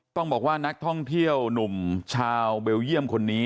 ต้องบอกว่านักท่องเที่ยวหนุ่มชาวเบลเยี่ยมคนนี้